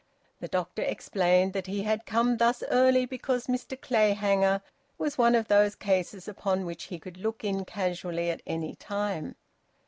The doctor explained that he had come thus early because Mr Clayhanger was one of those cases upon which he could look in casually at any time.